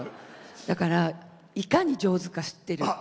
いかに上手か知ってる。